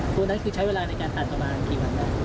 ตัวนั้นคือใช้เวลาในการตัดประมาณกี่วันแล้ว